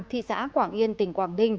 thị xã quảng yên tỉnh quảng đình